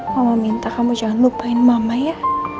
mama minta kamu jangan lupain mama ya